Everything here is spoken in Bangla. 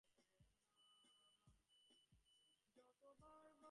সেই ব্যক্তিকতাহীন ধ্যানরূপের কাছে কুমুদিনী একমনা হয়ে নিজেকে সমর্পণ করে দিলে।